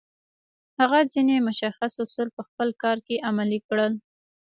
هغه ځينې مشخص اصول په خپل کار کې عملي کړل.